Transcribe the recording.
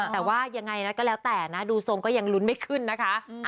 แต่ว่ายังไงนะก็แล้วแต่นะดูทรงก็ยังลุ้นไม่ขึ้นนะคะ